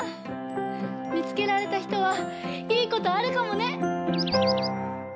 見つけられたひとはいいことあるかもね！